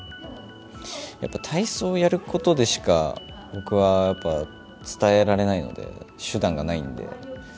やっぱ、体操をやることでしか僕はやっぱ伝えられないので、手段がないんで。